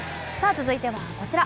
続いては、こちら。